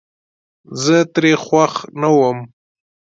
زه ترې خوښ نه ووم